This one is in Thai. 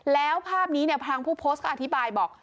แล้วภาพนี้พลังผู้โพสต์ก็อธิบายบอก